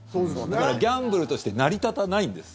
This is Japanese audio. だから、ギャンブルとして成り立たないんです。